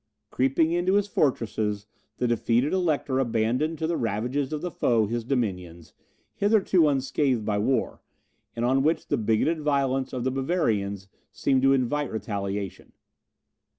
Creeping into his fortresses, the defeated Elector abandoned to the ravages of the foe his dominions, hitherto unscathed by war, and on which the bigoted violence of the Bavarians seemed to invite retaliation.